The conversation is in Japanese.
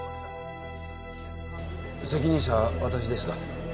責任者は私ですが